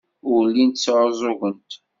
Ur llint sɛuẓẓugent.